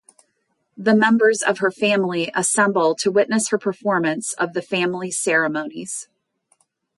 The members of her family assemble to witness her performance of the family ceremonies.